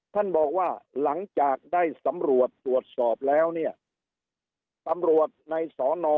ท่านบอกว่าหลังจากได้สำรวจตรวจสอบแล้วเนี่ยตำรวจในสอนอ